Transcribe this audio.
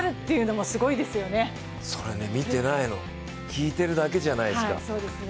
それ見てないの、聞いてるだけじゃないですか。